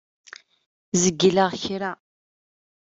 Zegleɣ kra?